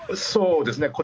そうですね。